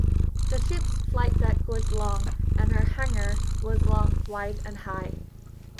The ship's flight deck was long and her hangar was long, wide, and high.